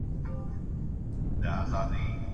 ګټه له مصرفه ډېره ښه ده.